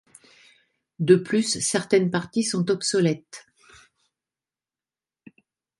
De plus, certaines parties sont obsolètes.